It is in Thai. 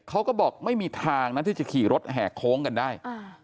เขาก็บอกไม่มีทางนะที่จะขี่รถแห่โค้งกันได้